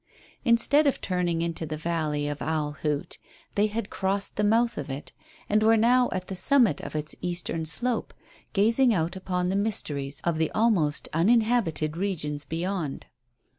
Instead of turning into the valley of Owl Hoot they had crossed the mouth of it, and were now at the summit of its eastern slope, gazing out upon the mysteries of the almost uninhabited regions beyond.